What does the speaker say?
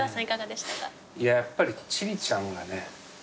やっぱり千里ちゃんがね